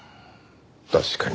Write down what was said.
確かに。